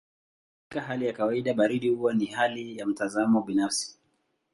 Katika hali ya kawaida baridi huwa ni hali ya mtazamo binafsi.